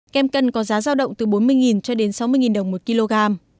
kem cân có giá giao động từ bốn mươi cho đến sáu mươi đồng một kg